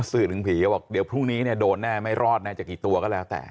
สื่อถึงผีก็บอกเดี๋ยวพรุ่งนี้เนี่ยโดนแน่ไม่รอดแน่จะกี่ตัวก็แล้วแต่